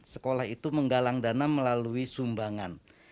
sekolah itu menggalang dana melalui sumbangan